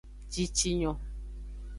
Jicinyo.